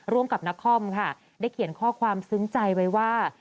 ร่วมกับนครค่ะได้เขียนข้อความซึ้งใจไว้ว่า